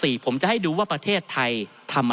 ท่านประธานครับนี่คือสิ่งที่สุดท้ายของท่านครับ